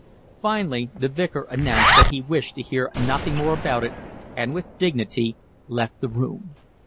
Finally the Vicar announced that he wished to hear nothing more about it and with dignity left the room.